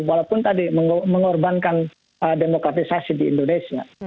walaupun tadi mengorbankan demokratisasi di indonesia